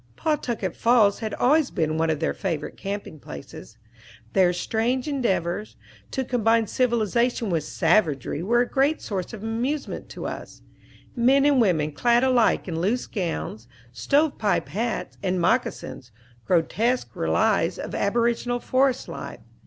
Pawtucket Falls had always been one of their favorite camping places. Their strange endeavors, to combine civilization with savagery were a great source of amusement to us; men and women clad alike in loose gowns, stove pipe hats, and moccasons; grotesque relies of aboriginal forest life.